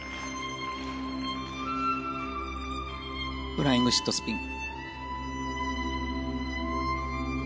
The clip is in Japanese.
フライングシットスピン。